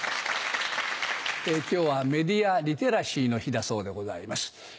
今日は「メディア・リテラシーの日」だそうでございます。